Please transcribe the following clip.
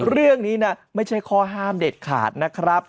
เรื่องนี้นะไม่ใช่ข้อห้ามเด็ดขาดนะครับ